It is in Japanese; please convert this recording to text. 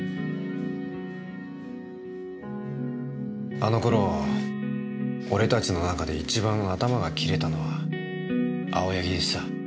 あのころ俺たちの中で一番頭が切れたのは青柳でした。